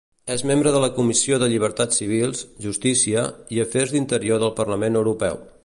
És membre de la Comissió de Llibertats Civils, Justícia i Afers d'Interior del Parlament Europeu.